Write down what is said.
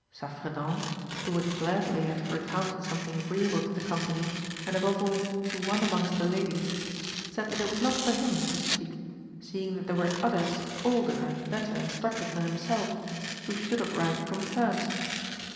Saffredent, who would gladly have recounted something agreeable to the company, and above all to one amongst the ladies, said that it was not for him to speak, seeing that there were others older and better instructed than himself, who should of right come first.